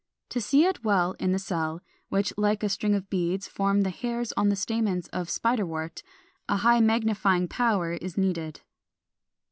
To see it well in the cell, which like a string of beads form the hairs on the stamens of Spiderwort, a high magnifying power is needed.